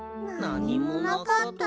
なにもなかった。